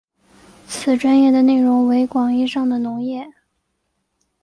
此专页的内容为广义上的农业。